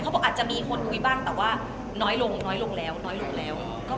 บอกอาจจะมีคนคุยบ้างแต่ว่าน้อยลงน้อยลงแล้วน้อยลงแล้ว